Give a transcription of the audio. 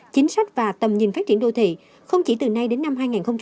chính sách và tầm nhìn phát triển đô thị không chỉ từ nay đến năm hai nghìn ba mươi